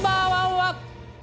．１は。